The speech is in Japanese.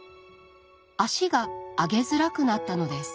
足が上げづらくなったのです。